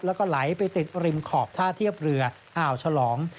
แล้วก็ไหลไปติดริมขอบท่าเทียบเรืออ่าวฉลอง